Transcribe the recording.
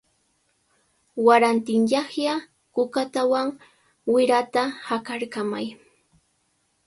Warantinyaqlla kukatawan wirata haqarkamay.